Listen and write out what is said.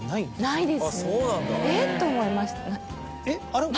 えっ？と思いました。